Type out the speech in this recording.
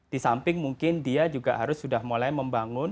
di samping mungkin dia juga harus sudah mulai membangun